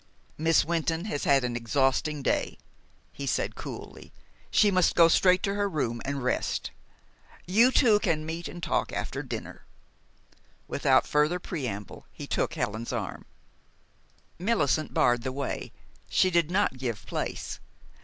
"Miss Wynton has had an exhausting day," he said coolly. "She must go straight to her room, and rest. You two can meet and talk after dinner." Without further preamble, he took Helen's arm. Millicent barred the way. She did not give place.